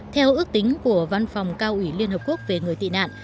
theo ước tính của văn phòng cao ủy liên hợp quốc về người tị nạn